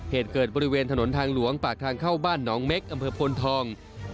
เหตุเกิดบริเวณถนนทางหลวงปากทางเข้าบ้านน้องเม็ก